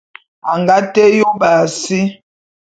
A nga té yôp a si.